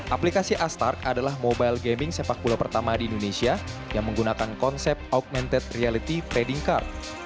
aplikasi astark adalah mobile gaming sepak bola pertama di indonesia yang menggunakan konsep augmented reality trading card